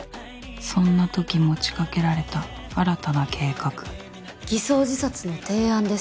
そんなとき持ち掛けられた新たな計画偽装自殺の提案です。